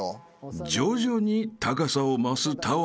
［徐々に高さを増すタワー］